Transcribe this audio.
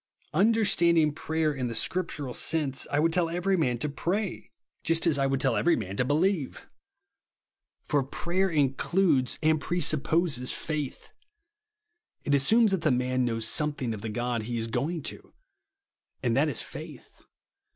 Understanding prayer in the scriptural sense, I would tell every man to pray, just as I woul<l tell every man to believe. For '94 THE WORD OF THE prayer includes and j3resupposes raith. It assumes that the man knows something of the God he is going to ; and that is faith.